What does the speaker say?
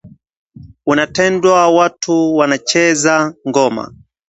Unatendwa watu wanacheza ngoma